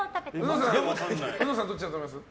うのさんはどっちだと思います？